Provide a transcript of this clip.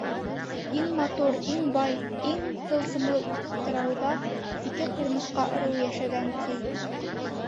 Иң матур, иң бай, иң тылсымлы утрауҙа ике ҡырмыҫҡа ырыуы йәшәгән, ти.